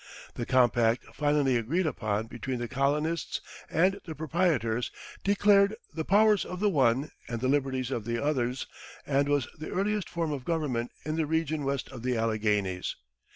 The compact finally agreed upon between the colonists and the proprietors declared "the powers of the one and the liberties of the others," and was "the earliest form of government in the region west of the Alleghanies."